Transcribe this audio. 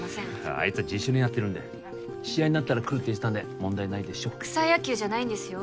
あいつは自主練やってるんで試合になったら来るって言ってたんで問題ないでしょ草野球じゃないんですよ